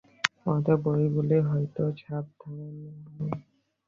অতএব ঐগুলি হইতে সাবধান হও, তেজস্বী হও, নিজের পায়ের উপর দঁড়াও।